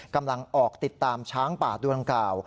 กำลังออกติดตามช้างป่าตัวดังกล่าว